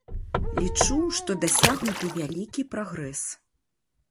Лічу, што дасягнуты вялікі прагрэс.